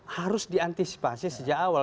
harus diantisipasi sejak awal